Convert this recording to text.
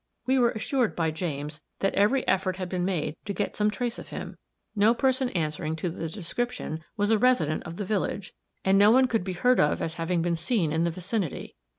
We were assured by James that every effort had been made to get some trace of him. No person answering to the description was a resident of the village, and no one could be heard of as having been seen in the vicinity.